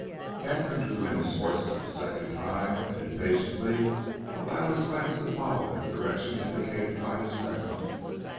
Edgar drew in his horse for the second time and impatiently allowed his glance to follow in the direction indicated by his friend.